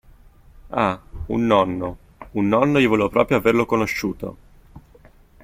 Ah, un nonno, un nonno io volevo proprio averlo conosciuto.